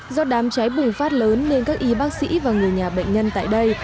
do đám cháy bùng phát lớn nên các y bác sĩ và người nhà bệnh nhân tại đây